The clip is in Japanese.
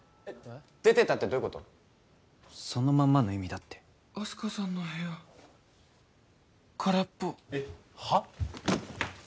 出てったってどういうことそのまんまの意味だってあす花さんの部屋空っぽはっ？